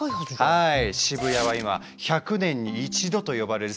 はい？